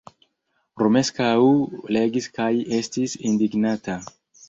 Romeskaŭ legis kaj estis indignata.